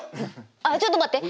あっちょっと待って！